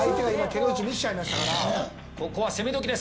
ここは攻め時です！